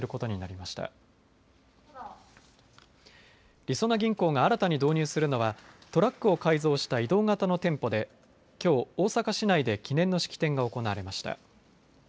りそな銀行が新たに導入するのはトラックを改造した移動型の店舗で、きょう大阪市内で記念の式典が行われました。